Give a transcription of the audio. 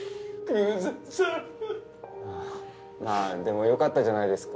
まあでもよかったじゃないですか。